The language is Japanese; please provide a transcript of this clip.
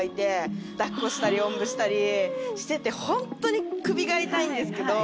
抱っこしたりおんぶしたりしててホントに首が痛いんですけど。